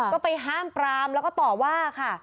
ก็ไปห้ามปรามแล้วก็ต่อว่าค่ะ